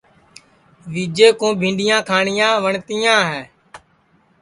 وجئے کُو بھینٚڈؔیاں کھاٹؔیاں سپا نائی وٹؔتیاں ہے